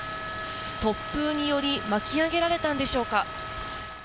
突風により巻き上げられたんでしょうか。